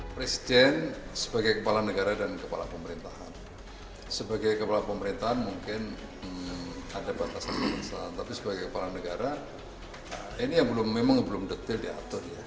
jadi contoh pada saat pemilu ada emergensi kedaruratan padahal memerlukan kehadiran pemimpin di situ